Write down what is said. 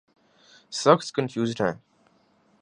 سخت کنفیوزڈ ہیں۔